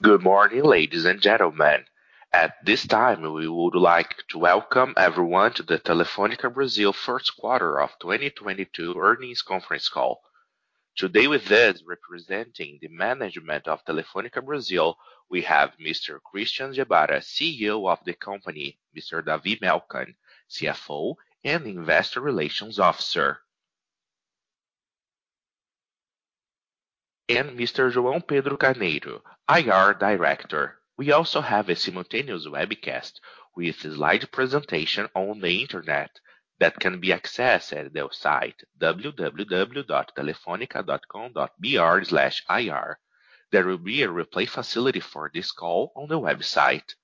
Good morning, ladies and gentlemen. At this time, we would like to welcome everyone to the Telefônica Brasil first quarter of 2022 earnings conference call. Today with us representing the management of Telefônica Brasil, we have Mr. Christian Gebara, CEO of the company, Mr. David Melcon, CFO and Investor Relations Officer. Mr. João Pedro Carneiro, IR Director. We also have a simultaneous webcast with a slide presentation on the internet that can be accessed at the site www.telefonica.com.br/ir. There will be a replay facility for this call on the website.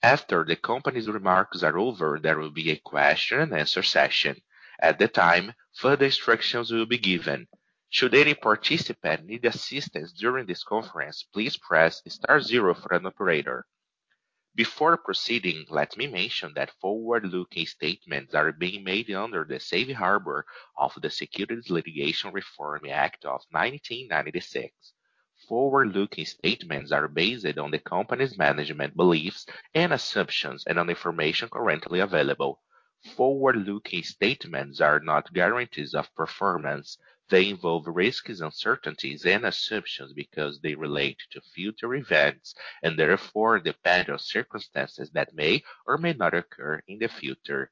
After the company's remarks are over, there will be a question and answer session. At the time, further instructions will be given. Should any participant need assistance during this conference, please press star zero for an operator. Before proceeding, let me mention that forward-looking statements are being made under the safe harbor of the Private Securities Litigation Reform Act of 1995. Forward-looking statements are based on the company's management beliefs and assumptions and on information currently available. Forward-looking statements are not guarantees of performance. They involve risks, uncertainties, and assumptions because they relate to future events and therefore depend on circumstances that may or may not occur in the future.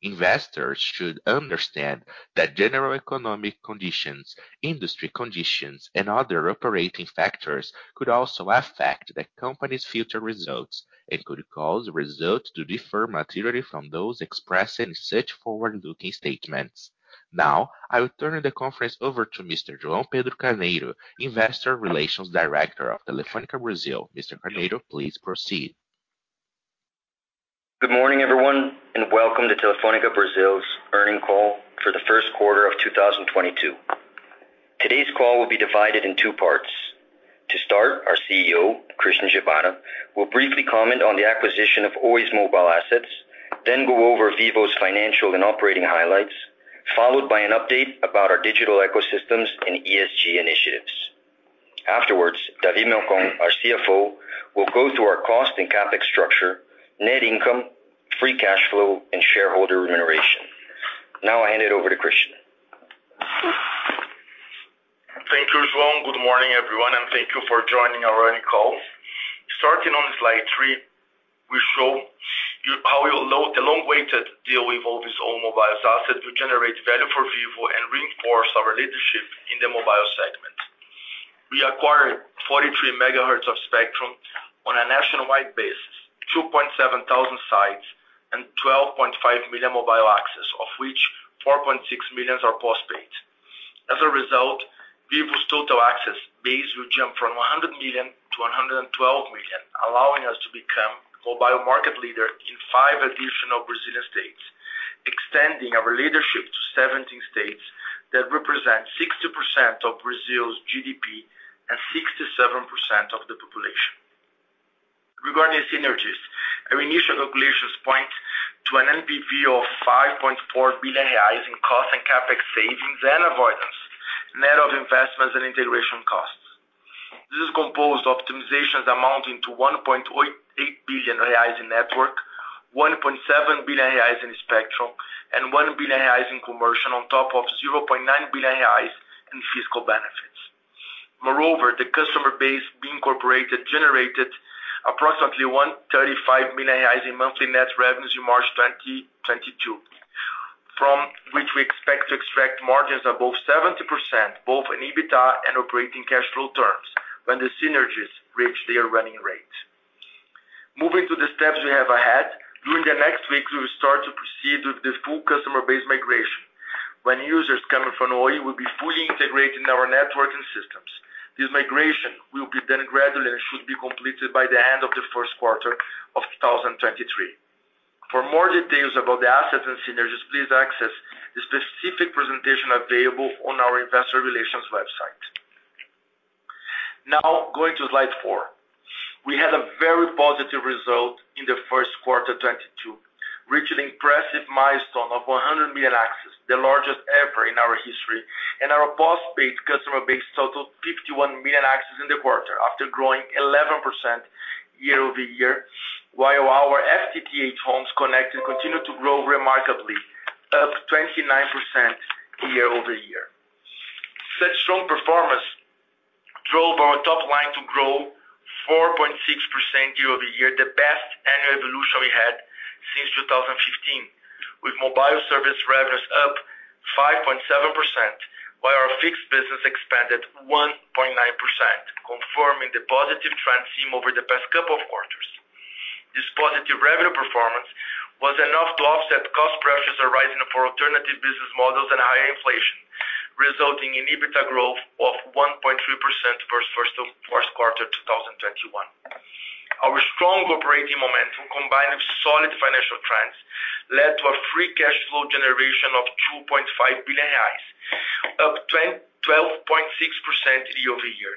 Investors should understand that general economic conditions, industry conditions, and other operating factors could also affect the company's future results and could cause results to differ materially from those expressed in such forward-looking statements. Now, I will turn the conference over to Mr. João Pedro Carneiro, Investor Relations Director of Telefônica Brasil. Mr. Carneiro, please proceed. Good morning, everyone, and welcome to Telefônica Brasil's earnings call for the first quarter of 2022. Today's call will be divided into two parts. To start, our CEO, Christian Gebara, will briefly comment on the acquisition of Oi's mobile assets, then go over Vivo's financial and operating highlights, followed by an update about our digital ecosystems and ESG initiatives. Afterwards, David Melcon, our CFO, will go through our cost and CapEx structure, net income, free cash flow, and shareholder remuneration. Now I hand it over to Christian. Thank you, João. Good morning, everyone, and thank you for joining our earnings call. Starting on slide three, we show you how we will close the long-awaited deal with Oi's mobile assets to generate value for Vivo and reinforce our leadership in the mobile segment. We acquired 43 MHz of spectrum on a nationwide basis, 2.7 thousand sites, and 12.5 million mobile access, of which 4.6 million are postpaid. As a result, Vivo's total access base will jump from 100 million to 112 million, allowing us to become mobile market leader in five additional Brazilian states, extending our leadership to 17 states that represent 60% of Brazil's GDP and 67% of the population. Regarding synergies, our initial calculations point to an NPV of 5.4 billion reais in cost and CapEx savings and avoidance, net of investments and integration costs. This is composed of optimizations amounting to 1.8 billion reais in network, 1.7 billion reais in spectrum, and 1 billion reais in commercial, on top of 0.9 billion reais in fiscal benefits. Moreover, the customer base being incorporated generated approximately 135 million in monthly net revenues in March 2022. From which we expect to extract margins above 70%, both in EBITDA and operating cash flow terms when the synergies reach their running rate. Moving to the steps we have ahead. During the next week, we will start to proceed with the full customer base migration. When users coming from Oi will be fully integrated in our network and systems. This migration will be done gradually and should be completed by the end of the first quarter of 2023. For more details about the assets and synergies, please access the specific presentation available on our investor relations website. Now, going to slide four. We had a very positive result in the first quarter 2022, reached an impressive milestone of 100 million access, the largest ever in our history. Our postpaid customer base totaled 51 million access in the quarter after growing 11% year-over-year, while our FTTH homes connected continued to grow remarkably, up 29% year-over-year. Such strong performance drove our top line to grow 4.6% year-over-year, the best annual evolution we had since 2015, with mobile service revenues up 5.7%, while our fixed business expanded 1.9%, confirming the positive trend seen over the past couple of quarters. This positive revenue performance was enough to offset cost pressures arising for alternative business models and higher inflation, resulting in EBITDA growth of 1.3% versus first quarter 2021. Our strong operating momentum, combined with solid financial trends, led to a free cash flow generation of 2.5 billion reais, up 12.6% year-over-year.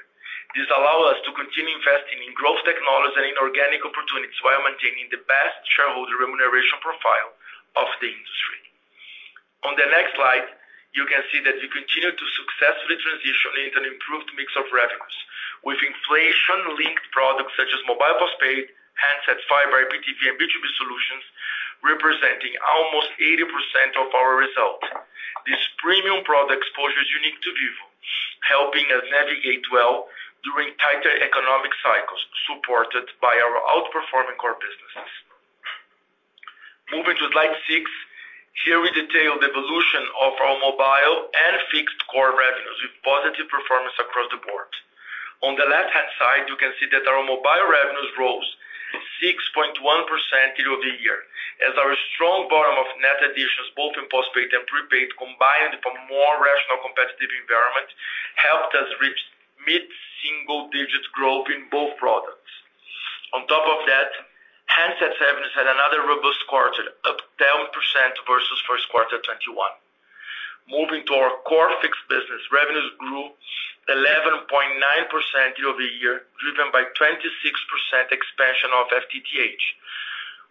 This allows us to continue investing in growth technologies and inorganic opportunities while maintaining the best shareholder remuneration profile of the industry. On the next slide, you can see that we continue to successfully transition into an improved mix of revenues, with inflation-linked products such as mobile postpaid, handset, fiber, IPTV, and B2B solutions representing almost 80% of our results. This premium product exposure is unique to Vivo, helping us navigate well during tighter economic cycles supported by our outperforming core businesses. Moving to slide six, here we detail the evolution of our mobile and fixed core revenues with positive performance across the board. On the left-hand side, you can see that our mobile revenues rose 6.1% year-over-year as our strong bottom of net additions both in postpaid and prepaid, combined with a more rational competitive environment, helped us reach mid-single digit growth in both products. On top of that, handset service had another robust quarter, up 10% versus first quarter 2021. Moving to our core fixed business, revenues grew 11.9% year-over-year, driven by 26% expansion of FTTH,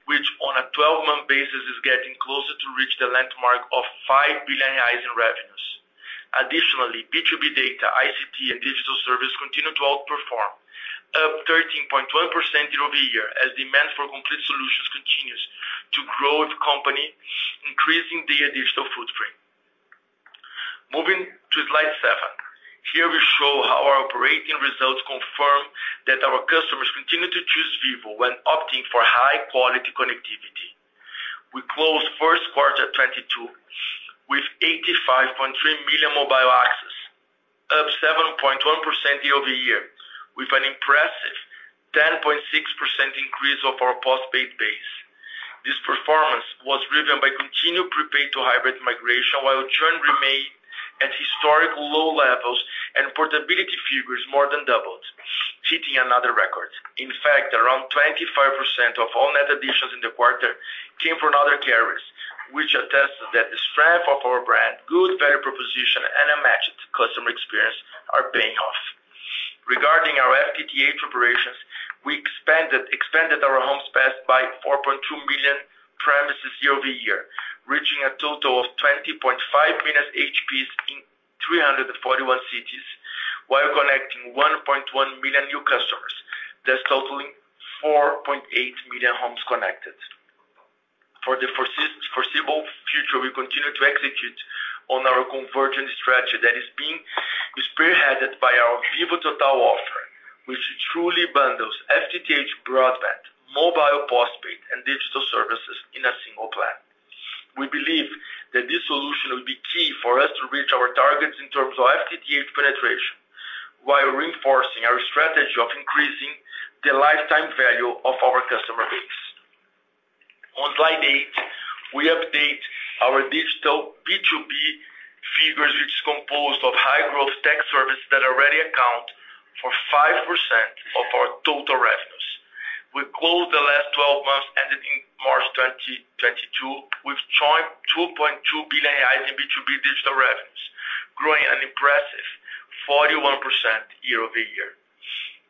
which on a twelve-month basis is getting closer to reach the landmark of 5 billion reais in revenues. Additionally, B2B data, ICT and digital service continued to outperform, up 13.1% year-over-year as demand for complete solutions continues to grow with companies, increasing their digital footprint. Moving to slide seven. Here we show how our operating results confirm that our customers continue to choose Vivo when opting for high-quality connectivity. We closed first quarter 2022 with 85.3 million mobile access, up 7.1% year-over-year, with an impressive 10.6% increase of our postpaid base. This performance was driven by continued prepaid to hybrid migration, while churn remained at historical low levels and portability figures more than doubled, hitting another record. In fact, around 25% of all net additions in the quarter came from other carriers, which attests that the strength of our brand, good value proposition, and unmatched customer experience are paying off. Regarding our FTTH operations, we expanded our homes passed by 4.2 million premises year-over-year, reaching a total of 20.5 million HPs in 341 cities, while connecting 1.1 million new customers, thus totaling 4.8 million homes connected. For the foreseeable future, we continue to execute on our convergent strategy that is being spearheaded by our Vivo Total offering, which truly bundles FTTH broadband, mobile postpaid, and digital services in a single plan. We believe that this solution will be key for us to reach our targets in terms of FTTH penetration while reinforcing our strategy of increasing the lifetime value of our customer base. On slide eight, we update our digital B2B figures, which is composed of high-growth tech services that already account for 5% of our total revenues. We closed the last 12 months ending March 2022 with 2.2 billion in B2B digital revenues, growing an impressive 41% year-over-year.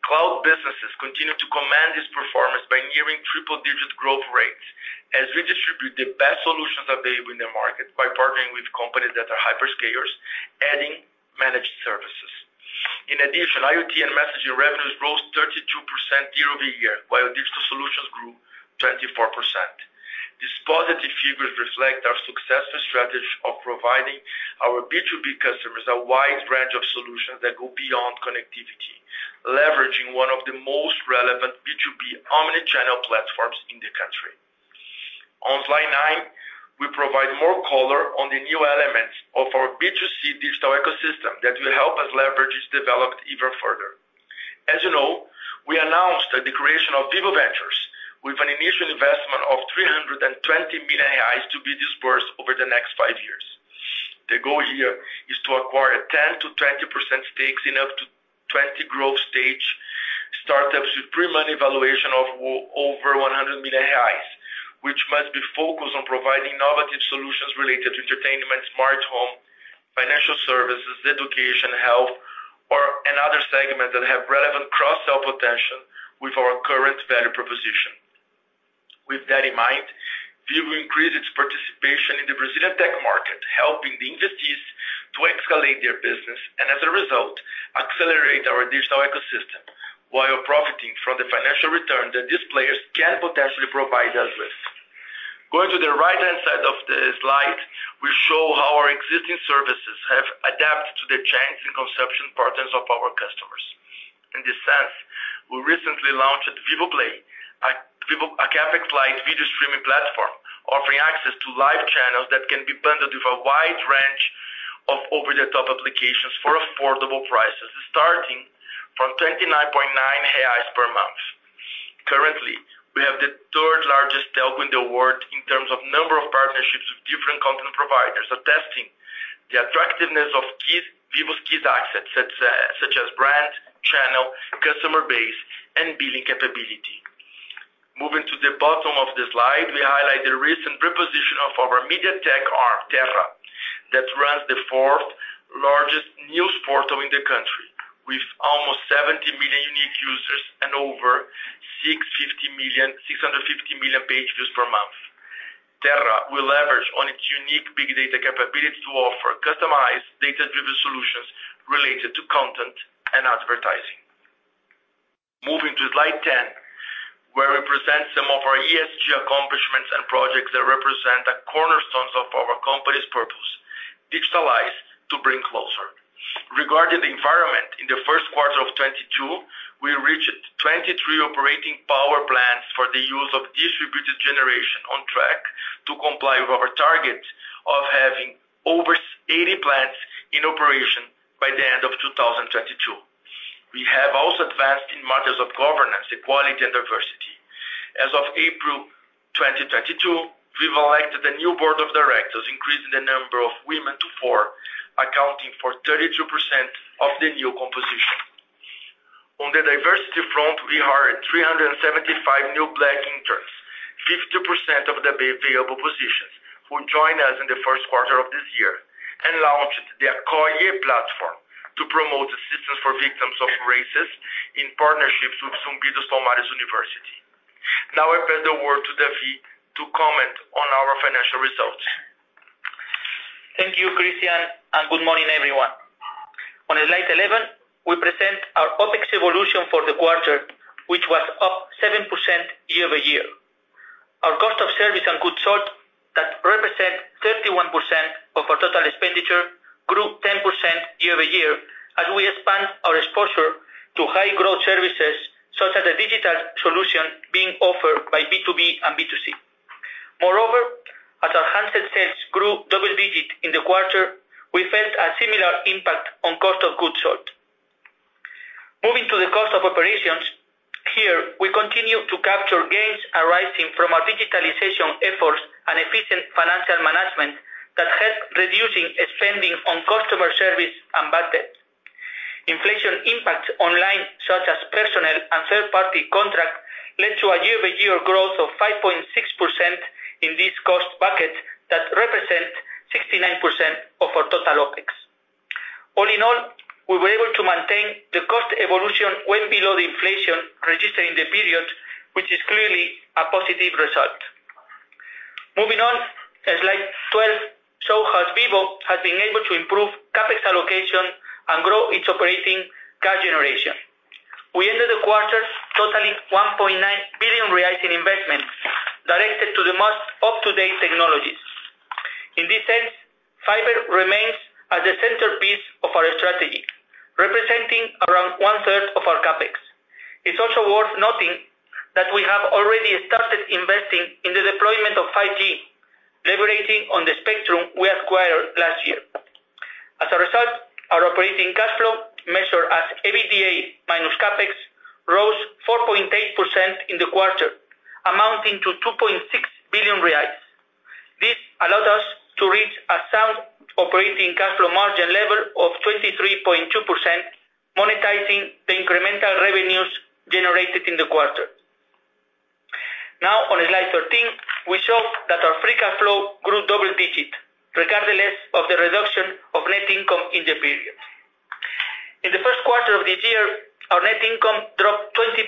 Cloud businesses continue to command this performance by nearing triple digit growth rates as we distribute the best solutions available in the market by partnering with companies that are hyperscalers adding managed services. In addition, IoT and messaging revenues rose 32% year-over-year, while digital solutions grew 24%. These positive figures reflect our successful strategy of providing our B2B customers a wide range of solutions that go beyond connectivity, leveraging one of the most relevant B2B omni-channel platforms in the country. On slide nine, we provide more color on the new elements of our B2C digital ecosystem that will help us leverage this development even further. As you know, we announced the creation of Vivo Ventures with an initial investment of 320 million reais to be disbursed over the next five years. The goal here is to acquire 10%-20% stakes in up to 20 growth stage startups with pre-money valuation of over 100 million reais, which must be focused on providing innovative solutions related to entertainment, smart home, financial services, education, health or another segment that have relevant cross-sell potential with our current value proposition. With that in mind, Vivo increased its participation in the Brazilian tech market, helping the investees to escalate their business and as a result, accelerate our digital ecosystem while profiting from the financial return that these players can potentially provide us with. Going to the right-hand side of the slide, we show how our existing services have adapted to the change in consumption patterns of our customers. In this sense, we recently launched Vivo Play, an asset-light video streaming platform offering access to live channels that can be bundled with a wide range of over-the-top applications for affordable prices starting from 39.9 reais per month. Currently, we have the third largest telco in the world in terms of number of partnerships with different content providers, attesting to the attractiveness of Vivo's key assets such as brand, channel, customer base, and billing capability. Moving to the bottom of the slide, we highlight the recent reposition of our media tech arm, Terra, that runs the fourth largest news portal in the country with almost 70 million unique users and over 650 million page views per month. Terra will leverage on its unique big data capabilities to offer customized data-driven solutions related to content and advertising. Moving to slide 10, where we present some of our ESG accomplishments and projects that represent the cornerstones of our company's purpose, digitalize to bring closer. Regarding the environment, in the first quarter of 2022, we reached 23 operating power plants for the use of distributed generation on track to comply with our target of having over 80 plants in operation by the end of 2022. We have also advanced in matters of governance, equality and diversity. As of April 2022, we've elected a new board of directors, increasing the number of women to four, accounting for 32% of the new composition. On the diversity front, we hired 375 new black interns, 50% of the available positions, who joined us in the first quarter of this year. Launched the Acolhida platform to promote assistance for victims of racism in partnerships with São Paulo State University. Now I pass the word to David to comment on our financial results. Thank you, Christian, and good morning, everyone. On slide 11, we present our OpEx evolution for the quarter, which was up 7% year-over-year. Our cost of service and goods sold that represent 31% of our total expenditure grew 10% year-over-year as we expand our exposure to high-growth services such as the digital solution being offered by B2B and B2C. Moreover, as our handset sales grew double-digit in the quarter, we felt a similar impact on cost of goods sold. Moving to the cost of operations. Here we continue to capture gains arising from our digitalization efforts and efficient financial management that help reducing spending on customer service and budget. Inflation impacts only such as personnel and third-party contracts led to a year-over-year growth of 5.6% in this cost bucket that represent 69% of our total OpEx. All in all, we were able to maintain the cost evolution well below the inflation registered in the period, which is clearly a positive result. Moving on to slide 12, shows us Vivo has been able to improve CapEx allocation and grow its operating cash generation. We ended the quarter totaling 1.9 billion reais in investment directed to the most up-to-date technologies. In this sense, fiber remains as the centerpiece of our strategy, representing around one-third of our CapEx. It's also worth noting that we have already started investing in the deployment of 5G, operating on the spectrum we acquired last year. As a result, our operating cash flow measured as EBITDA minus CapEx rose 4.8% in the quarter, amounting to 2.6 billion reais. This allowed us to reach a sound operating cash flow margin level of 23.2%, monetizing the incremental revenues generated in the quarter. Now on slide 13, we show that our free cash flow grew double-digit regardless of the reduction of net income in the period. In the first quarter of this year, our net income dropped 20%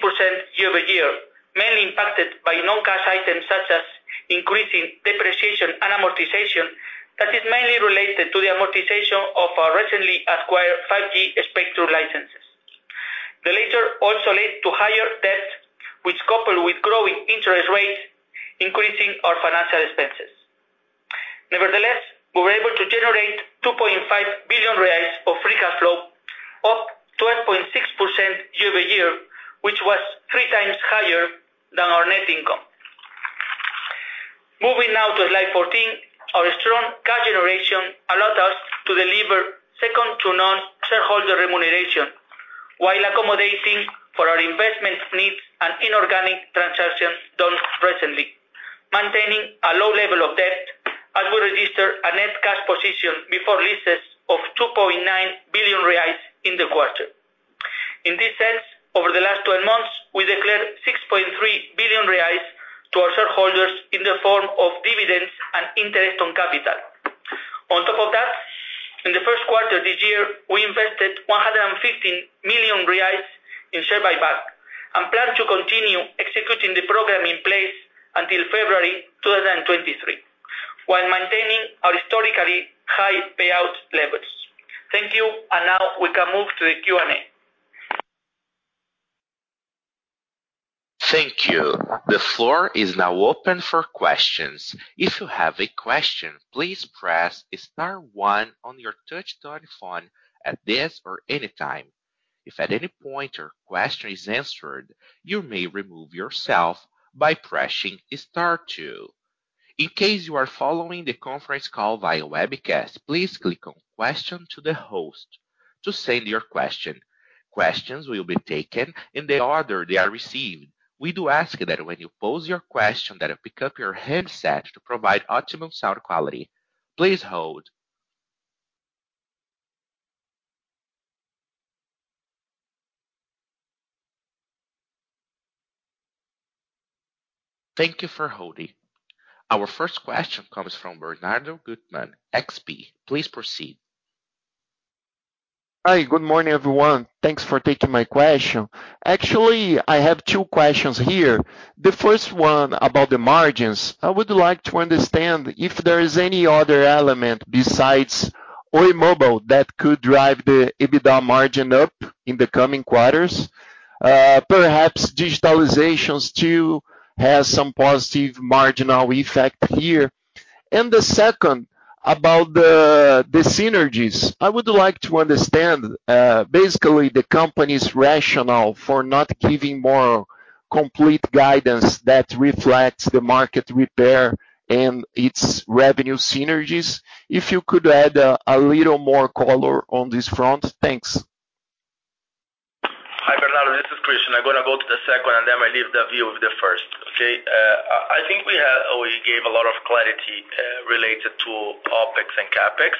year-over-year, mainly impacted by non-cash items such as increasing depreciation and amortization that is mainly related to the amortization of our recently acquired 5G spectrum licenses. The latter also led to higher debt, which coupled with growing interest rates, increasing our financial expenses. Nevertheless, we were able to generate 2.5 billion reais of free cash flow, up 12.6% year-over-year, which was three times higher than our net income. Moving now to slide 14. Our strong cash generation allowed us to deliver second to none shareholder remuneration while accommodating for our investment needs and inorganic transactions done recently, maintaining a low level of debt as we register a net cash position before leases of 2.9 billion reais in the quarter. In this sense, over the last 12 months, we declared 6.3 billion reais to our shareholders in the form of dividends and interest on capital. On top of that, in the first quarter this year, we invested 115 million reais in share buyback and plan to continue executing the program in place until February 2023, while maintaining our historically high payout levels. Thank you. Now we can move to the Q&A. Thank you. The floor is now open for questions. If you have a question, please press star one on your touch-tone phone at this or any time. If at any point your question is answered, you may remove yourself by pressing star two. In case you are following the conference call via webcast, please click on Question to the Host to send your question. Questions will be taken in the order they are received. We do ask that when you pose your question that you pick up your handset to provide optimum sound quality. Please hold. Thank you for holding. Our first question comes from Bernardo Guttmann, XP. Please proceed. Hi, good morning, everyone. Thanks for taking my question. Actually, I have two questions here. The first one about the margins. I would like to understand if there is any other element besides Oi mobile that could drive the EBITDA margin up in the coming quarters. Perhaps digitalizations too has some positive marginal effect here. The second about the synergies. I would like to understand basically the company's rationale for not giving more complete guidance that reflects the market share and its revenue synergies. If you could add a little more color on this front. Thanks. Hi, Bernardo, this is Christian. I'm gonna go to the second, and then I leave David with the first. Okay. I think we have always gave a lot of clarity related to OpEx and CapEx.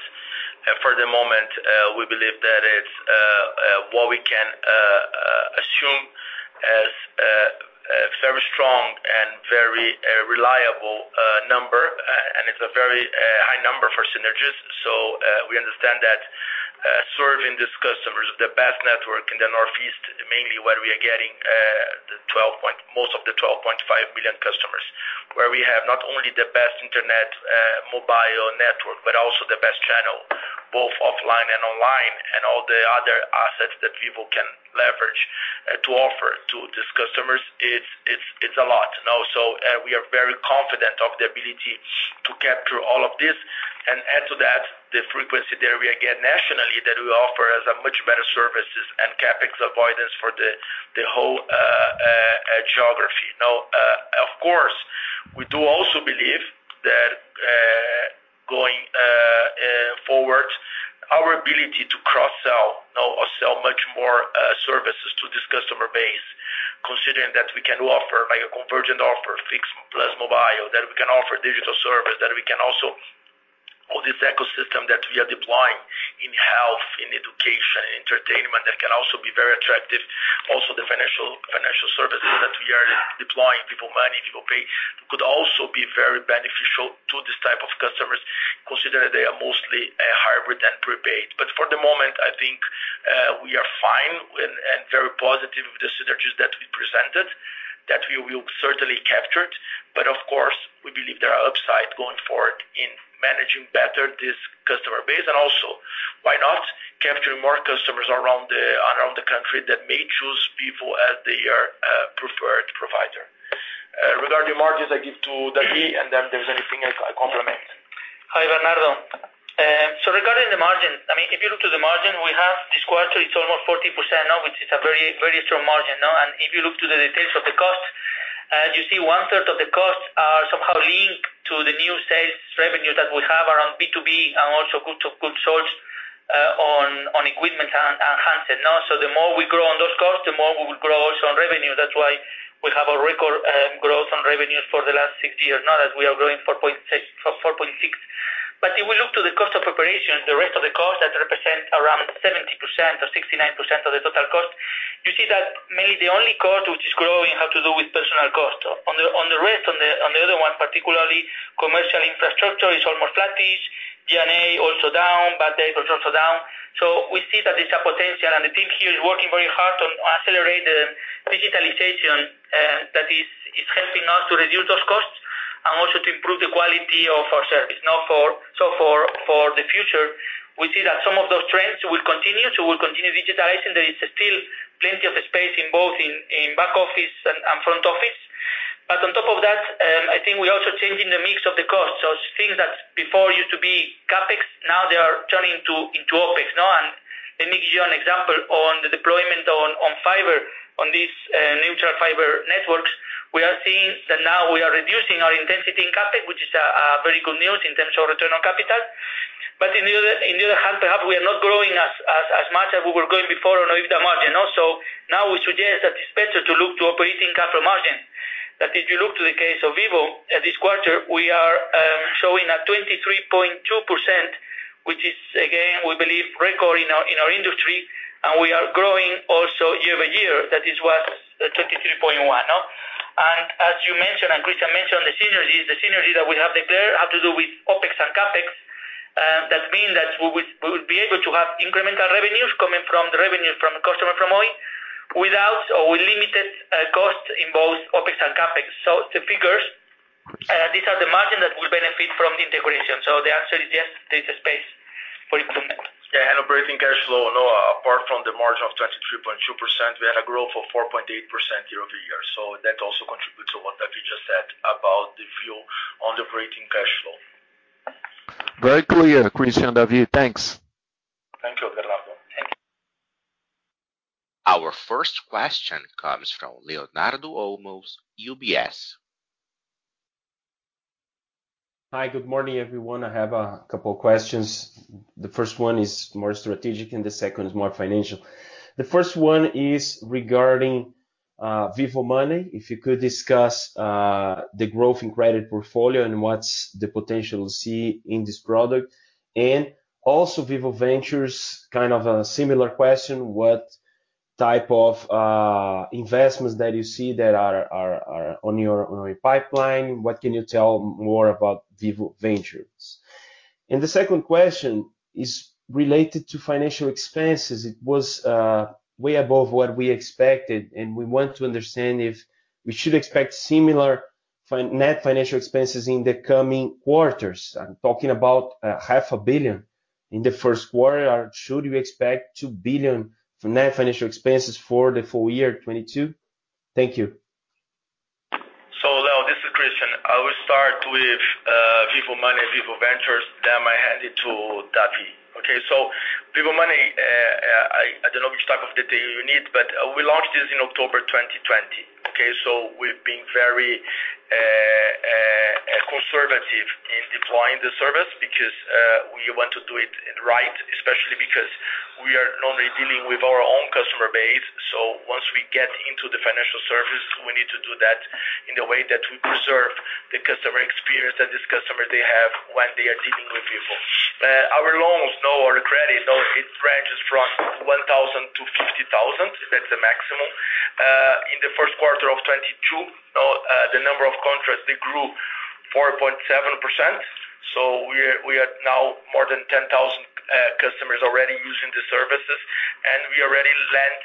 For the moment, we believe that it's what we can assume as very strong and very reliable number, and it's a very high number for synergies. We understand that serving these customers the best network in the Northeast, mainly where we are getting most of the 12.5 million customers, where we have not only the best internet mobile network, but also the best channel, both offline and online, and all the other assets that people can leverage to offer to these customers. It's a lot. We are very confident of the ability to capture all of this. Add to that the frequency that we get nationally that we offer as a much better services and CapEx avoidance for the whole geography. Of course, we do also believe that going forward, our ability to cross-sell or sell much more services to this customer base, considering that we can offer like a convergent offer, fixed plus mobile, that we can offer digital service, that we can also all this ecosystem that we are deploying in health, in education, entertainment, that can also be very attractive. Also, the financial services that we are deploying, Vivo Money, Vivo Pay, could also be very beneficial to this type of customers, considering they are mostly hybrid and prepaid. For the moment, I think, we are fine and very positive of the synergies that we presented, that we will certainly capture it. Of course, we believe there are upside going forward in managing better this customer base. Also, why not capturing more customers around the country that may choose Vivo as their preferred provider. Regarding margins, I give to David, and then if there's anything I complement. Hi, Bernardo. Regarding the margin, I mean, if you look to the margin we have this quarter, it's almost 40% now, which is a very, very strong margin now. If you look to the details of the cost, you see one-third of the costs are somehow linked to the new sales revenue that we have around B2B and also good source on equipment and handset now. The more we grow on those costs, the more we will grow also on revenue. That's why we have a record growth on revenues for the last six years now as we are growing 4.6%, from 4.6%. If we look to the cost of operations, the rest of the cost that represents around 70% or 69% of the total cost, you see that mainly the only cost which is growing have to do with personnel cost. On the rest, particularly commercial infrastructure is almost flattish. G&A also down. Bad debt is also down. We see that there's a potential, and the team here is working very hard on accelerating digitalization, that is helping us to reduce those costs and also to improve the quality of our service. For the future, we see that some of those trends will continue, so we'll continue digitalizing. There is still plenty of space in both in back office and front office. On top of that, I think we're also changing the mix of the cost. Things that before used to be CapEx, now they are turning into OpEx. Let me give you an example. On the deployment on fiber on this neutral fiber networks, we are seeing that now we are reducing our intensity in CapEx, which is very good news in terms of return on capital. On the other hand, perhaps we are not growing as much as we were growing before on our EBITDA margin. Also now we suggest that it's better to look to operating capital margin. If you look to the case of Vivo at this quarter, we are showing a 23.2%, which is again, we believe record in our industry, and we are growing also year-over-year. That is what 23.1%, no? As you mentioned and Christian mentioned, the synergies. The synergies that we have declared have to do with OpEx and CapEx. That means that we would be able to have incremental revenues coming from the revenue from customer from Oi without or with limited cost in both OpEx and CapEx. The figures, these are the margin that will benefit from the integration. The answer is yes, there's a space for improvement. Yeah, operating cash flow, now apart from the margin of 23.2%, we had a growth of 4.8% year-over-year. That also contributes to what David just said about the view on the operating cash flow. Very clear, Christian, David. Thanks. Thank you, Bernardo. Thank you. Our first question comes from Leonardo Olmos, UBS. Hi. Good morning, everyone. I have a couple questions. The first one is more strategic, and the second is more financial. The first one is regarding Vivo Money. If you could discuss the growth in credit portfolio and what's the potential we see in this product. And also Vivo Ventures, kind of a similar question, what type of investments that you see that are on your pipeline. What can you tell more about Vivo Ventures? The second question is related to financial expenses. It was way above what we expected, and we want to understand if we should expect similar net financial expenses in the coming quarters. I'm talking about 500 million in the first quarter. Should we expect 2 billion net financial expenses for the full year 2022? Thank you. Leo, this is Christian. I will start with Vivo Money, Vivo Ventures, then I hand it to David. Okay. Vivo Money, I don't know which type of detail you need, but we launched this in October 2020. Okay, we've been very conservative in deploying the service because we want to do it right, especially because we are normally dealing with our own customer base. Once we get into the financial service, we need to do that in a way that we preserve the customer experience that this customer they have when they are dealing with Vivo. Our loans now or credit now, it ranges from 1,000 to 50,000. That's the maximum. In the first quarter of 2022, the number of contracts, they grew 4.7%. We are now more than 10,000 customers already using the services, and we already lent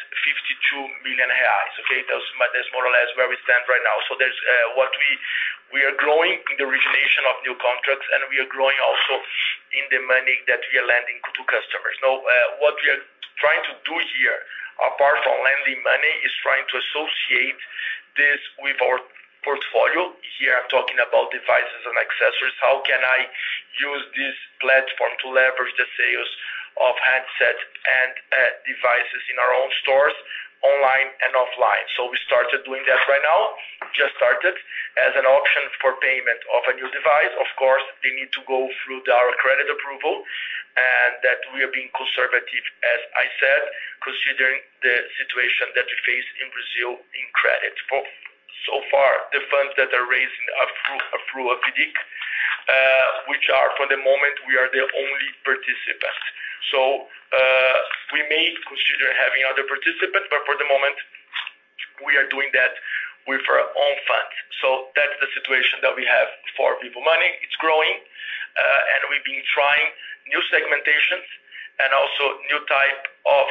52 million reais. Okay. That's more or less where we stand right now. We are growing in the origination of new contracts, and we are growing also in the money that we are lending to customers. Now, what we are trying to do here, apart from lending money, is trying to associate this with our portfolio. Here, I'm talking about devices and accessories. How can I use this platform to leverage the sales of handsets and devices in our own stores online and offline? We started doing that right now, just started as an option for payment of a new device. Of course, they need to go through our credit approval, and that we are being conservative, as I said, considering the situation that we face in Brazil in credit. So far, the funds that we are raising, FIDC, which are for the moment, we are the only participant. We may consider having other participants, but for the moment we are doing that with our own fund. That's the situation that we have for Vivo Money. It's growing, and we've been trying new segmentations and also new type of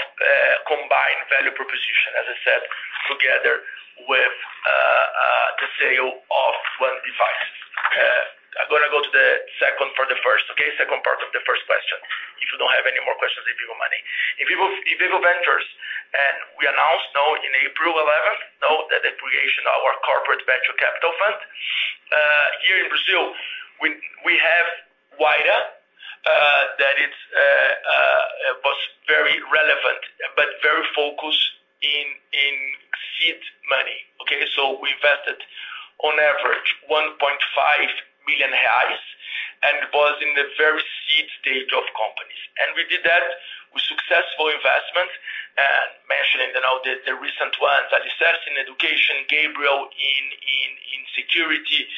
combined value proposition, as I said, together with the sale of our devices. I'm gonna go to the second part of the first. Okay. Second part of the first question. If you don't have any more questions on Vivo Money. In Vivo Ventures, we announced now in April 11th. Now that the creation of our corporate venture capital fund here in Brazil, we have Wayra that it was very relevant but very focused in seed money. Okay, we invested on average 1.5 million reais and it was in the very seed stage of companies. We did that with successful investment and mentioning now the recent ones, Alicerce in education, Gabriel in security,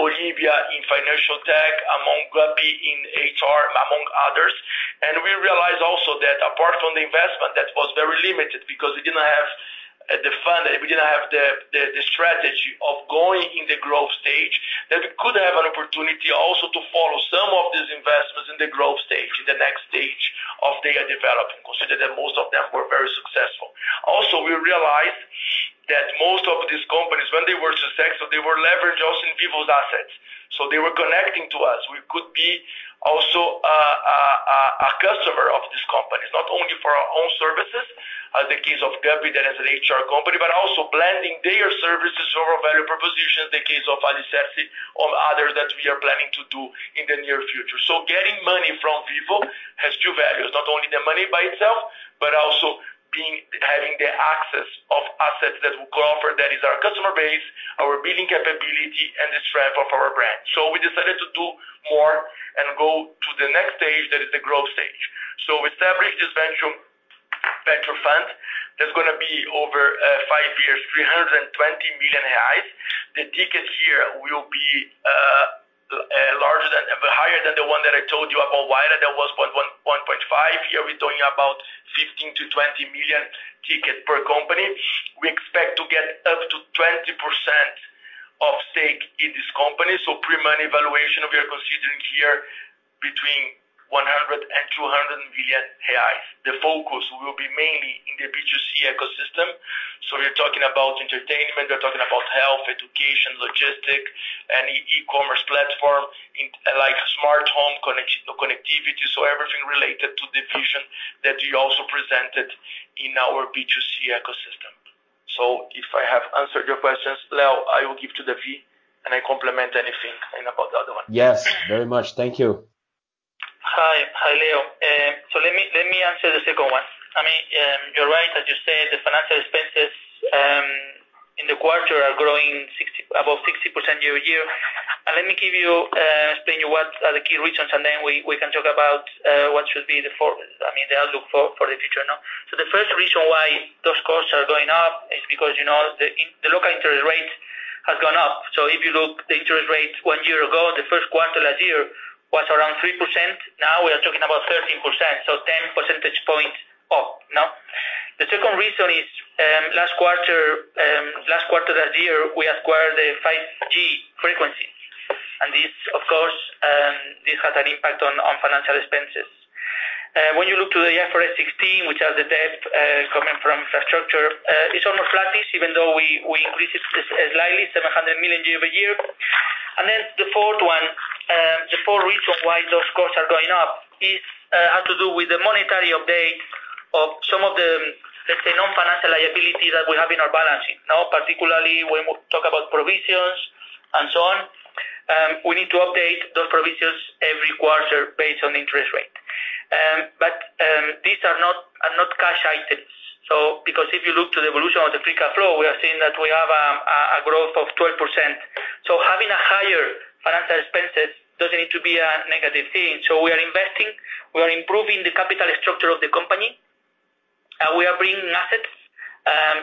Olivia in financial tech, among Gupy in HR, among others. We realized also that apart from the investment that was very limited because we didn't have the fund, we didn't have the strategy of going in the growth stage, that we could have an opportunity also to follow some of these investments in the growth stage, in the next stage of their development, considering that most of them were very successful. We realized that most of these companies, when they were successful, they were leveraged also in Vivo's assets, so they were connecting to us. We could be also a customer of these companies, not only for our own services, the case of Gupy that is an HR company, but also blending their services over value proposition in the case of Alicerçe or others that we are planning to do in the near future. Getting money from Vivo has two values, not only the money by itself, but also having the access of assets that we can offer. That is our customer base, our billing capability and the strength of our brand. We decided to do more and go to the next stage. That is the growth stage. We established this venture fund that's going to be over five years, 320 million reais. The ticket here will be higher than the one that I told you about Wayra. That was 0.1-0.5. Here we're talking about 15-20 million ticket per company. We expect to get up to 20% of stake in this company. Pre-money valuation, we are considering here between 100 million-200 million reais. The focus will be mainly in the B2C ecosystem. We're talking about entertainment, we're talking about health, education, logistics, any e-commerce platform in like smart home connectivity. Everything related to the vision that we also presented in our B2C ecosystem. If I have answered your questions, Leo, I will give to David and I complement anything and about the other one. Yes, very much. Thank you. Hi. Hi, Leo. Let me answer the second one. I mean, you're right. As you said, the financial expenses in the quarter are growing above 60% year-over-year. Let me explain to you what are the key reasons, and then we can talk about what should be the outlook for the future now. The first reason why those costs are going up is because, you know, the local interest rates has gone up. If you look at the interest rate one year ago, the first quarter last year was around 3%, now we are talking about 13%, so 10 percentage points up. The second reason is last quarter that year, we acquired the 5G frequency. And this, of course, this has an impact on financial expenses. When you look to the IFRS 16, which has the debt coming from infrastructure, it's almost flattish, even though we increased it slightly, 700 million year-over-year. The fourth reason why those costs are going up is has to do with the monetary update of some of the, let's say, non-financial liability that we have in our balance sheet. Now, particularly when we talk about provisions and so on, we need to update those provisions every quarter based on interest rate. These are not cash items. Because if you look to the evolution of the free cash flow, we are seeing that we have a growth of 12%. Having a higher financial expenses doesn't need to be a negative thing. We are investing, we are improving the capital structure of the company, and we are bringing assets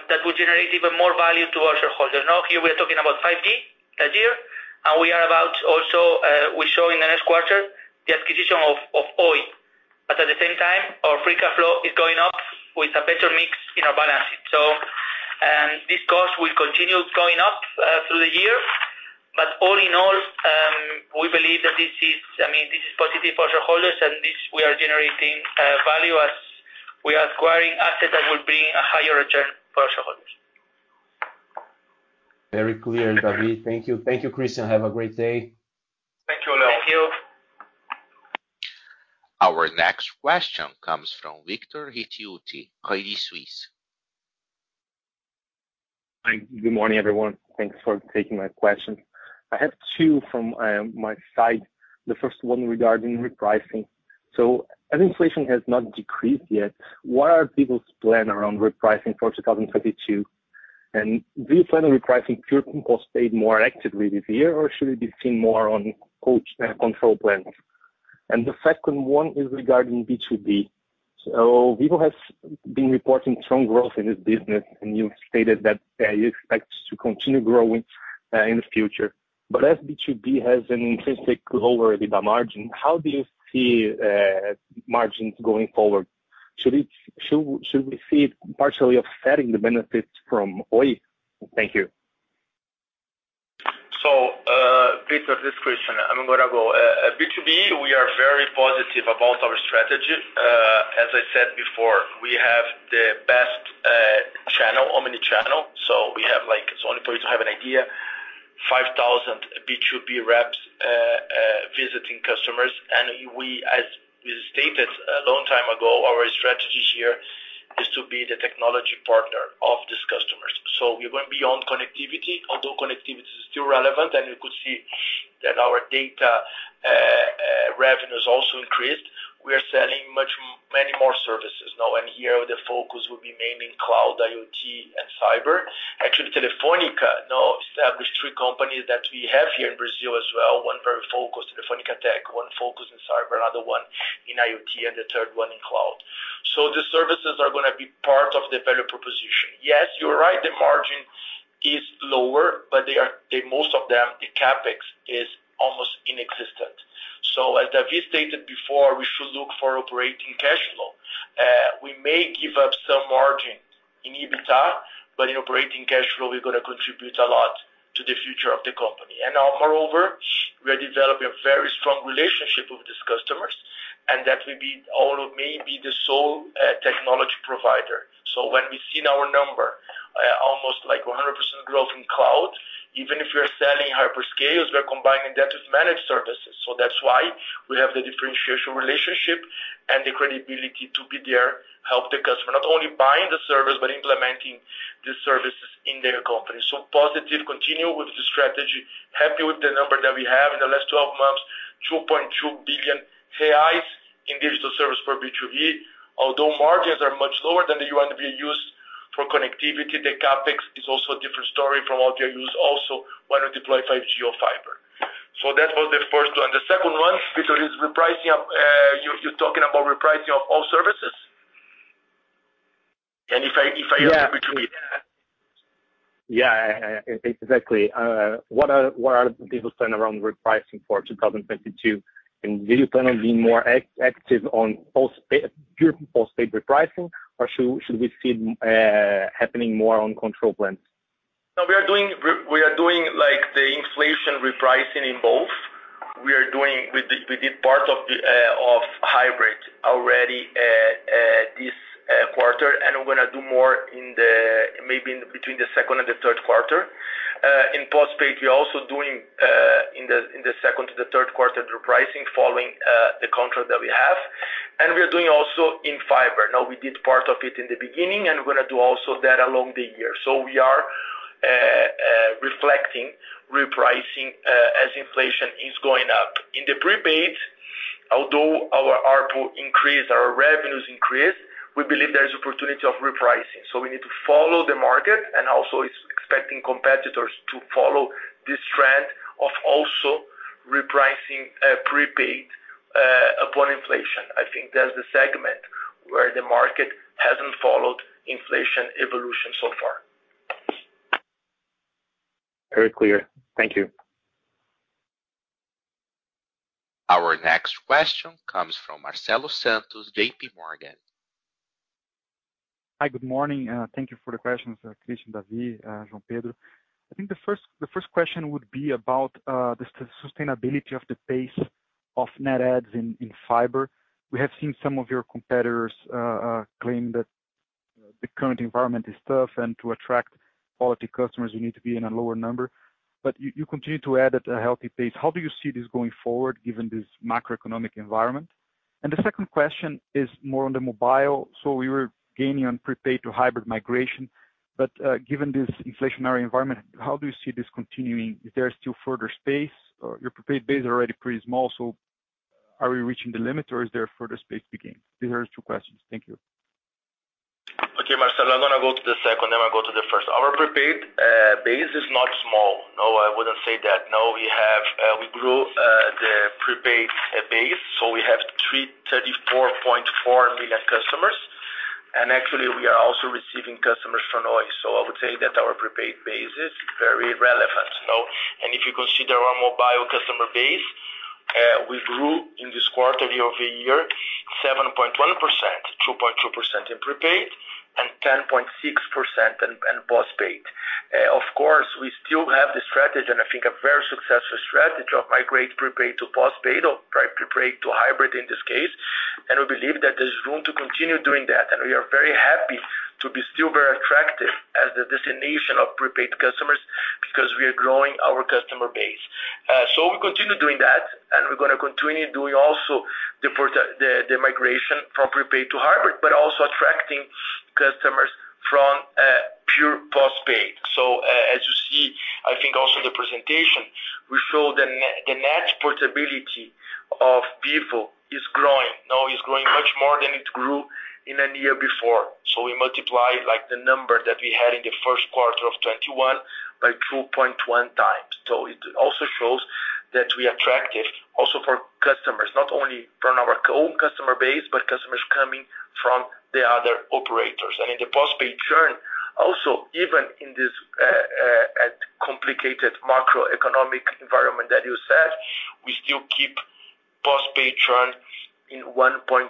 that will generate even more value to our shareholders. Now, here we are talking about 5G that year, and we are also about to show in the next quarter the acquisition of Oi. At the same time, our free cash flow is going up with a better mix in our balancing. This cost will continue going up through the year. All in all, we believe that this is, I mean, this is positive for shareholders, and this we are generating value as we are acquiring assets that will bring a higher return for our shareholders. Very clear, David. Thank you. Thank you, Christian. Have a great day. Thank you, Leo. Thank you. Our next question comes from Victor Ricciuti, Credit Suisse. Hi. Good morning, everyone. Thanks for taking my question. I have two from my side. The first one regarding repricing. As inflation has not decreased yet, what are people's plan around repricing for 2022? Do you plan on repricing prepaid more actively this year, or should it be seen more on postpaid plans? The second one is regarding B2B. Vivo has been reporting strong growth in this business, and you've stated that you expect to continue growing in the future. As B2B has an intrinsic lower EBITDA margin, how do you see margins going forward? Should we see it partially offsetting the benefits from Oi? Thank you. Victor, this is Christian. I'm gonna go. B2B, we are very positive about our strategy. As I said before, we have the best channel, omni-channel. We have, like, so only for you to have an idea, 5,000 B2B reps visiting customers. We, as we stated a long time ago, our strategy here is to be the technology partner of these customers. We're gonna be on connectivity, although connectivity is still relevant, and you could see that our data revenues also increased. We are selling many more services now. Here, the focus will be mainly cloud, IoT, and cyber. Actually, Telefónica now established three companies that we have here in Brazil as well. One very focused, Telefónica Tech, one focused in cyber, another one in IoT, and the third one in cloud. The services are gonna be part of the value proposition. Yes, you're right, the margin is lower, but most of them, the CapEx is almost nonexistent. As David stated before, we should look for operating cash flow. We may give up some margin in EBITDA, but in operating cash flow, we're gonna contribute a lot to the future of the company. Now moreover, we are developing a very strong relationship with these customers, and that will be all, maybe the sole technology provider. When we've seen our number, almost like 100% growth in cloud, even if we are selling hyperscalers, we are combining that with managed services. That's why we have the differentiation relationship and the credibility to be there, help the customer, not only buying the service, but implementing the services in their company. Positive, continue with the strategy, happy with the number that we have in the last 12 months, 2.2 billion reais in digital service for B2B. Although margins are much lower than the usual used for connectivity, the CapEx is also a different story from what you usually want to deploy 5G or fiber. That was the first one. The second one, Victor, is repricing. You're talking about repricing of all services? If I heard you between. Yeah. Yeah, exactly. What are people's plan around repricing for 2022? Do you plan on being more active on pure postpaid repricing, or should we see happening more on control plans? No, we are doing like the inflation repricing in both. We did part of the hybrid already at this quarter, and we're gonna do more in the, maybe in between the second and the third quarter. In postpaid, we're also doing in the second to the third quarter repricing following the contract that we have. We're doing also in fiber. Now, we did part of it in the beginning, and we're gonna do also that along the year. We are reflecting repricing as inflation is going up. In the prepaid, although our ARPU increased, our revenues increased, we believe there is opportunity of repricing. We need to follow the market and also is expecting competitors to follow this trend of also repricing prepaid upon inflation. I think that's the segment where the market hasn't followed inflation evolution so far. Very clear. Thank you. Our next question comes from Marcelo Santos, JPMorgan. Hi, good morning. Thank you for the questions, Christian, David, João Pedro. I think the first question would be about the sustainability of the pace of net adds in fiber. We have seen some of your competitors claim that the current environment is tough, and to attract quality customers, you need to be in a lower number. You continue to add at a healthy pace. How do you see this going forward, given this macroeconomic environment? The second question is more on the mobile. We were gaining on prepaid to hybrid migration. Given this inflationary environment, how do you see this continuing? Is there still further space? Your prepaid base is already pretty small, so are we reaching the limit or is there further space to gain? These are his two questions. Thank you. Okay, Marcelo. I'm gonna go to the second, then I'll go to the first. Our prepaid base is not small. No, I wouldn't say that. No, we grew the prepaid base, so we have 334.4 million customers. Actually, we are also receiving customers from Oi. I would say that our prepaid base is very relevant. And if you consider our mobile customer base, we grew in this quarter year-over-year 7.1%, 2.2% in prepaid and 10.6% in postpaid. Of course, we still have the strategy, and I think a very successful strategy, to migrate prepaid to postpaid or try prepaid to hybrid in this case. We believe that there's room to continue doing that. We are very happy to be still very attractive as the destination of prepaid customers because we are growing our customer base. We continue doing that, and we're gonna continue doing also the migration from prepaid to hybrid, but also attracting customers from pure postpaid. As you see, I think also the presentation, we show the net portability of people is growing. Now it's growing much more than it grew in a year before. We multiply like the number that we had in the first quarter of 2021 by 2.1 times. It also shows that we attractive also for customers, not only from our own customer base, but customers coming from the other operators. In the postpaid journey, also, even in this complicated macroeconomic environment that you said, we still keep postpaid churn in 1.2%.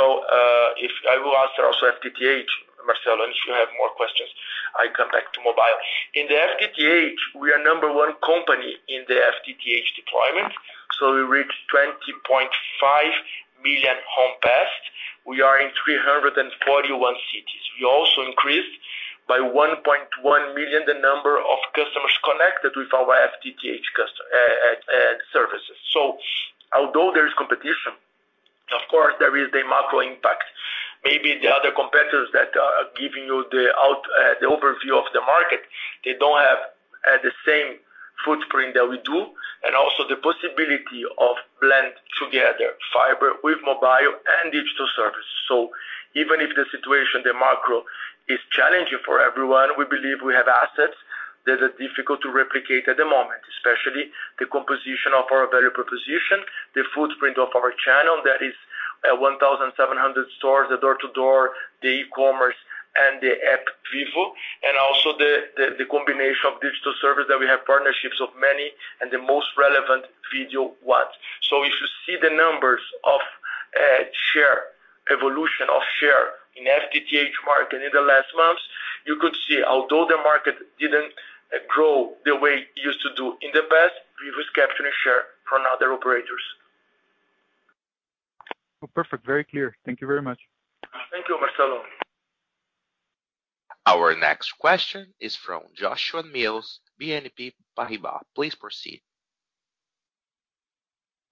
I will answer also FTTH, Marcelo, and if you have more questions, I come back to mobile. In the FTTH, we are number one company in the FTTH deployment. We reached 20.5 million homes passed. We are in 341 cities. We also increased by 1.1 million the number of customers connected with our FTTH services. Although there is competition, of course, there is the macro impact. Maybe the other competitors that are giving you the overview of the market, they don't have the same footprint that we do and also the possibility of blend together fiber with mobile and digital services. Even if the situation, the macro is challenging for everyone, we believe we have assets that are difficult to replicate at the moment, especially the composition of our value proposition, the footprint of our channel that is 1,700 stores, the door-to-door, the e-commerce, and the Vivo app, and also the combination of digital services that we have partnerships with many of the most relevant video OTTs. If you see the numbers of share evolution of share in the FTTH market in the last months, you could see although the market didn't grow the way it used to do in the past, we was capturing share from other operators. Oh, perfect. Very clear. Thank you very much. Thank you, Marcelo. Our next question is from Joshua Mills, BNP Paribas. Please proceed.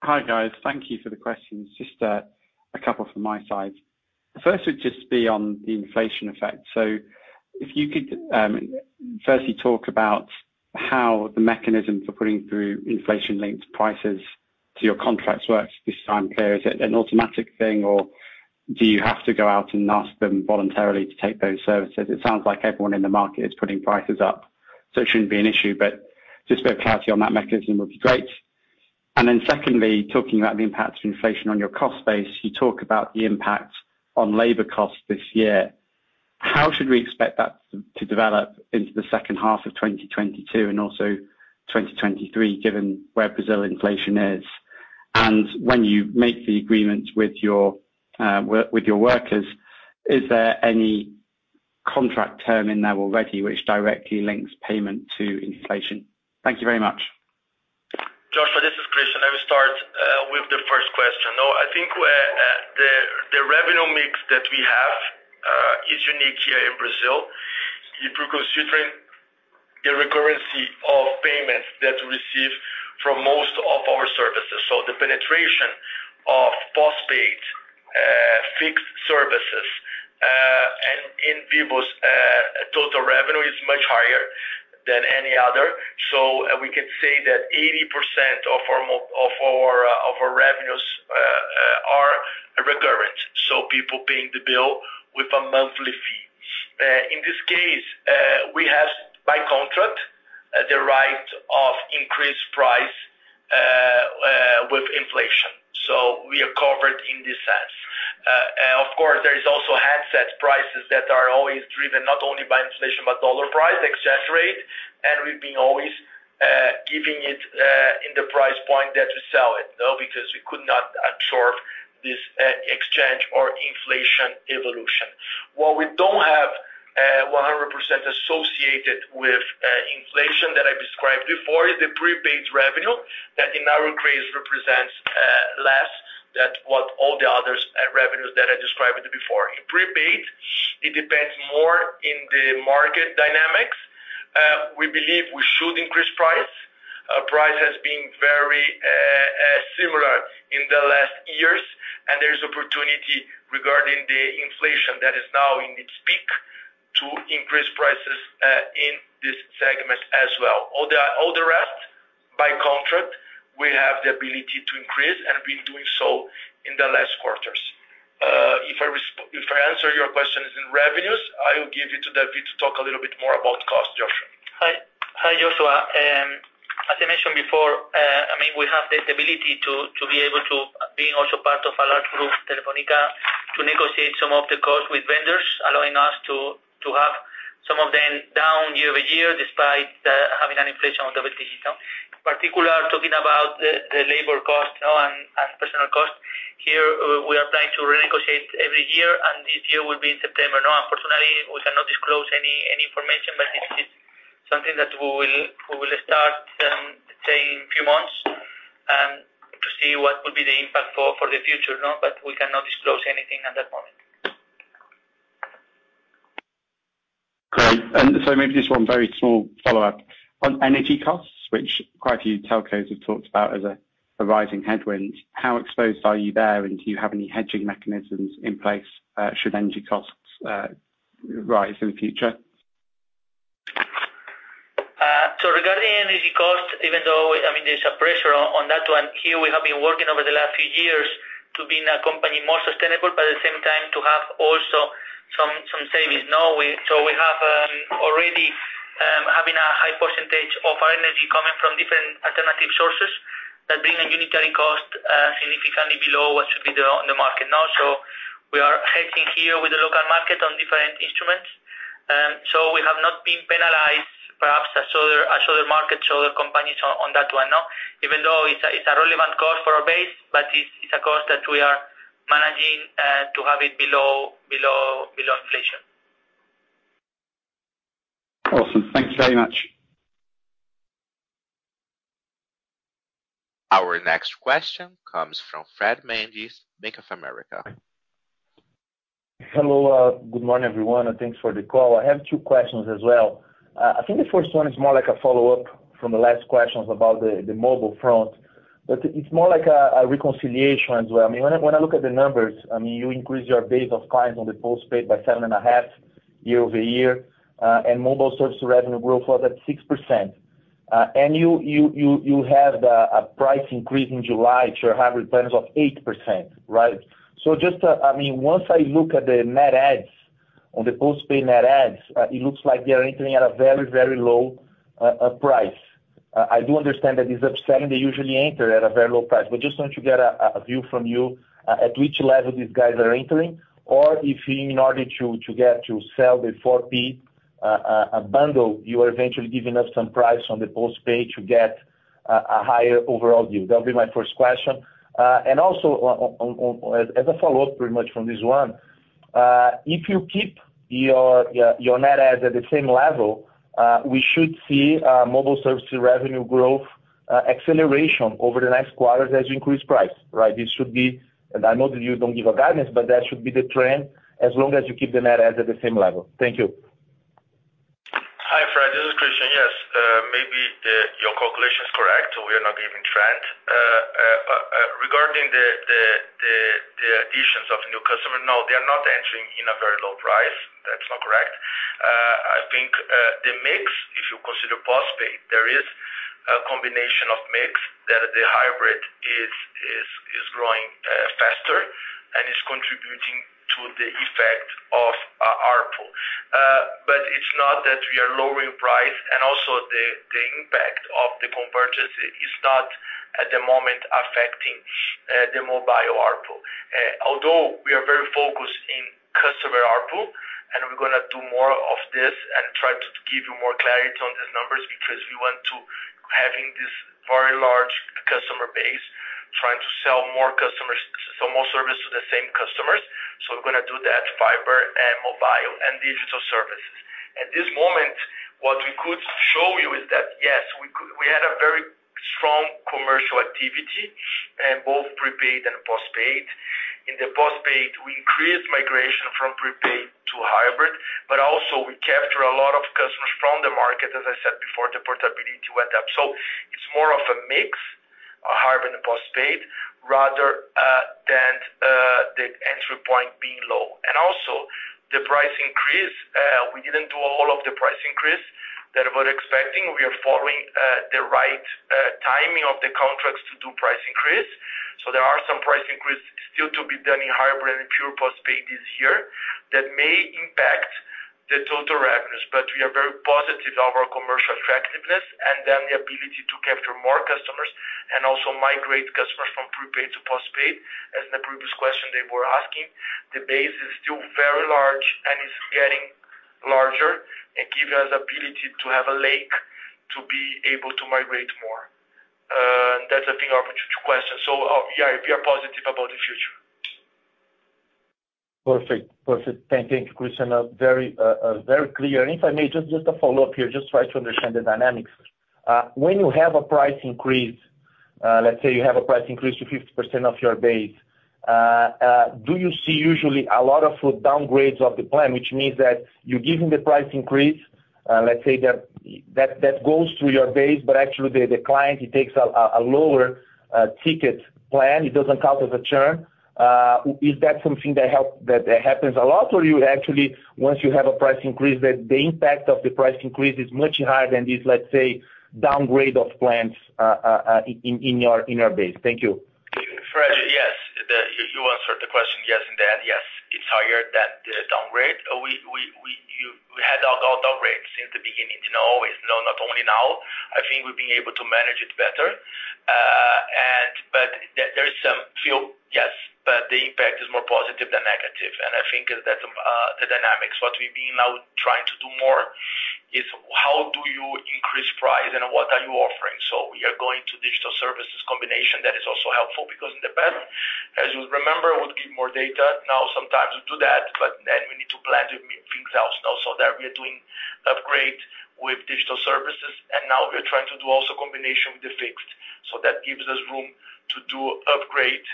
Hi, guys. Thank you for the questions. Just a couple from my side. The first would just be on the inflation effect. If you could firstly talk about how the mechanism for putting through inflation-linked prices to your contracts works this time period. Is it an automatic thing or do you have to go out and ask them voluntarily to take those services? It sounds like everyone in the market is putting prices up, so it shouldn't be an issue, but just a bit of clarity on that mechanism would be great. Secondly, talking about the impact of inflation on your cost base, you talk about the impact on labor costs this year. How should we expect that to develop into the second half of 2022 and also 2023, given where Brazil inflation is? When you make the agreements with your workers, is there any contract term in there already which directly links payment to inflation? Thank you very much. Joshua, this is Christian. Let me start with the first question. No, I think the revenue mix that we have is unique here in Brazil if you're considering the recurrency of payments that we receive from most of our services. The penetration of postpaid fixed services and in Vivo's total revenue is much higher than any other. We can say that 80% of our revenues are recurrent, so people paying the bill with a monthly fee. In this case, we have, by contract, the right of increased price with inflation. We are covered in this sense. Of course, there is also handsets prices that are always driven not only by inflation, but dollar price, exchange rate. We've been always giving it in the price point that we sell it, you know, because we could not absorb this exchange or inflation evolution. What we don't have 100% associated with inflation that I described before is the prepaid revenue that in our case represents less than what all the others revenues that I described before. In prepaid, it depends more on the market dynamics. We believe we should increase price. Price has been very similar in the last years, and there is opportunity regarding the inflation that is now at its peak to increase prices in this segment as well. All the rest, by contract, we have the ability to increase, and we're doing so in the last quarters. If I answer your questions in revenues, I will give you to David to talk a little bit more about cost, Joshua. Hi. Hi, Joshua. As I mentioned before, I mean, we have the ability to be able to, being also part of a large group, Telefónica, to negotiate some of the costs with vendors, allowing us to have some of them down year-over-year, despite having double-digit inflation. In particular, talking about the labor cost, you know, and personnel cost, here we are trying to renegotiate every year, and this year will be in September, you know. Unfortunately, we cannot disclose any information, but this is something that we will start in a few months to see what will be the impact for the future, you know, but we cannot disclose anything at that moment. Great. Maybe just one very small follow-up. On energy costs, which quite a few telcos have talked about as a rising headwind, how exposed are you there, and do you have any hedging mechanisms in place, should energy costs rise in the future? Regarding energy costs, even though, I mean, there's a pressure on that one, here we have been working over the last few years to being a company more sustainable, but at the same time to have also some savings, you know. We have already having a high percentage of our energy coming from different alternative sources that bring a unitary cost significantly below what should be the on the market now. We are hedging here with the local market on different instruments. We have not been penalized perhaps as other markets, other companies on that one, you know? Even though it's a relevant cost for our base, but it's a cost that we are managing to have it below inflation. Awesome. Thank you very much. Our next question comes from Fred Mendes, Bank of America. Hello. Good morning, everyone, and thanks for the call. I have two questions as well. I think the first one is more like a follow-up from the last questions about the mobile front, but it's more like a reconciliation as well. I mean, when I look at the numbers, I mean, you increase your base of clients on the postpaid by 7.5% year-over-year, and mobile service revenue growth was at 6%. You have a price increase in July to your hybrid plans of 8%, right? I mean, once I look at the net adds on the postpaid net adds, it looks like they are entering at a very low price. I do understand that is upsetting. They usually enter at a very low price. Just want to get a view from you at which level these guys are entering or if in order to get to sell the 4P bundle, you are eventually giving up some price on the postpaid to get a higher overall view. That'll be my first question. On as a follow-up pretty much from this one, if you keep your net adds at the same level, we should see mobile service revenue growth acceleration over the next quarters as you increase price, right? This should be, and I know that you don't give a guidance, but that should be the trend as long as you keep the net adds at the same level. Thank you. Hi, Fred. This is Christian. Yes, maybe your calculation is correct, so we are not giving trend. Regarding the additions of new customer, no, they are not entering in a very low price. That's not correct. I think the mix, if you consider postpaid, there is a combination of mix that the hybrid is growing faster and is contributing to the effect of ARPU. It's not that we are lowering price, and also the impact of the convergence is not at the moment affecting the mobile ARPU. Although we are very focused in customer ARPU, and we're gonna do more of this and try to give you more clarity on these numbers because we want to having this very large customer base, trying to sell more customers, sell more service to the same customers. We're gonna do that, fiber and mobile and digital services. At this moment, what we could show you is that, yes, we had a very strong commercial activity in both prepaid and postpaid. In the postpaid, we increased migration from prepaid to hybrid, but also we capture a lot of customers from the market. As I said before, the portability went up. It's more of a mix, a higher than postpaid, rather than the entry point being low. Also the price increase, we didn't do all of the price increase that we're expecting. We are following the right timing of the contracts to do price increase. There are some price increase still to be done in Vivo brand and pure postpaid this year that may impact the total revenues. We are very positive of our commercial attractiveness and then the ability to capture more customers and also migrate customers from prepaid to postpaid. As in the previous question they were asking, the base is still very large, and it's getting larger and give us ability to have a large to be able to migrate more. That's I think answering your question. Yeah, we are positive about the future. Perfect. Thank you, Christian. Very clear. If I may just a follow-up here, just try to understand the dynamics. When you have a price increase, let's say you have a price increase to 50% of your base, do you see usually a lot of downgrades of the plan, which means that you're giving the price increase, let's say that goes through your base, but actually the client, he takes a lower ticket plan. It doesn't count as a churn. Is that something that happens a lot? You actually, once you have a price increase, that the impact of the price increase is much higher than this, let's say, downgrade of plans, in your base? Thank you. Fred, yes. You answered the question yes and then yes. It's higher than the downgrade. We had downgrades since the beginning, you know, always, no, not only now. I think we've been able to manage it better. There's some few, yes, but the impact is more positive than negative. I think that the dynamics, what we've been now trying to do more is how do you increase price and what are you offering? We are going to digital services combination. That is also helpful because in the past, as you remember, would give more data. Now sometimes we do that, but then we need to plan to meet things else now. We are doing upgrade with digital services, and now we're trying to do also combination with the fixed. That gives us room to do upgrade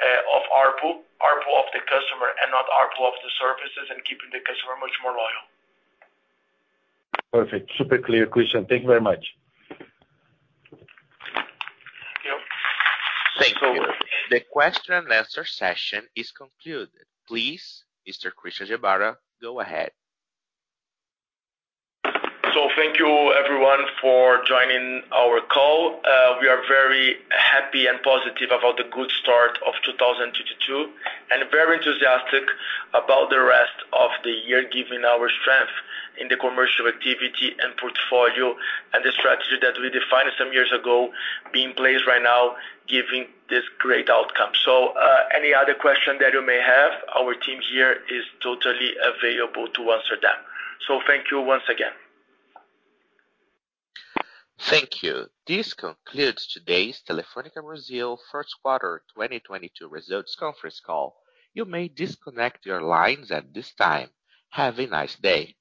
of ARPU of the customer and not ARPU of the services and keeping the customer much more loyal. Perfect. Super clear, Christian. Thank you very much. Thank you. The question-answer session is concluded. Please, Mr. Christian Gebara, go ahead. Thank you everyone for joining our call. We are very happy and positive about the good start of 2022, and very enthusiastic about the rest of the year, given our strength in the commercial activity and portfolio and the strategy that we defined some years ago being placed right now, giving this great outcome. Any other question that you may have, our team here is totally available to answer them. Thank you once again. Thank you. This concludes today's Telefônica Brasil first quarter 2022 results conference call. You may disconnect your lines at this time. Have a nice day.